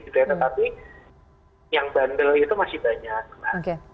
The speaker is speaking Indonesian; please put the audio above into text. tetapi yang bandel itu masih banyak mbak